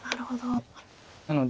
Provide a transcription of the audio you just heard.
なるほど。